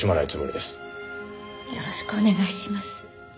よろしくお願いします。